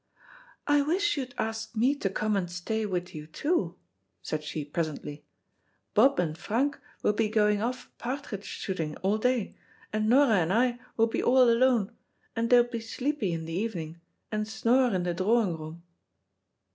"I wish you'd ask me to come and stay with you, too," said she presently. "Bob and Frank will be going off partridge shooting all day, and Nora and I will be all alone, and they'll be sleepy in the evening, and snore in the drawing room."